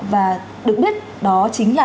và được biết đó chính là